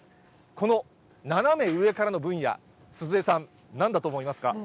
この斜め上からの分野、鈴江さん、なんだと思いますか。